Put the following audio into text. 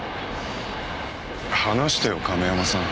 離してよ亀山さん。